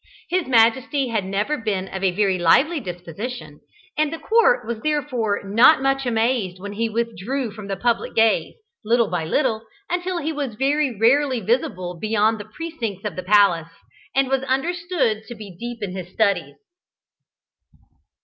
His majesty had never been of a very lively disposition, and the court was therefore not much amazed when he withdrew from the public gaze, little by little, until he was very rarely visible beyond the precincts of the palace, and was understood to be deep in his studies.